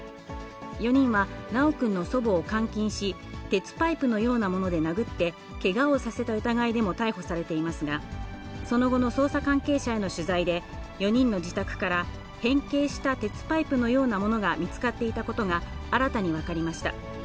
４人は修くんの祖母を監禁し、鉄パイプのようなもので殴って、けがをさせた疑いでも逮捕されていますが、その後の捜査関係者への取材で、４人の自宅から、変形した鉄パイプのようなものが見つかっていたことが新たに分かりました。